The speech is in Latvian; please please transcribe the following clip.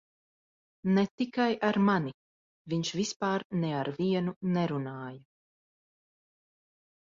Ne tikai ar mani - viņš vispār ne ar vienu nerunāja.